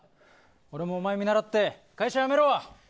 俺もおまえ見習って会社、やめる。